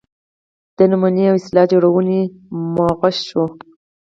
د نومونې او اصطلاح جوړونې مغشوشوي.